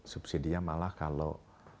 subsidinya malah kalau